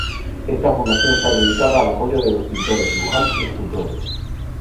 Esta fundación está dedicada al apoyo de los pintores, dibujantes y escultores.